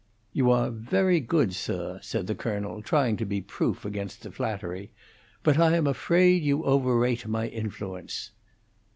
"You are very good, sir," said the colonel, trying to be proof against the flattery, "but I am afraid you overrate my influence."